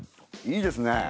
いいですねえ。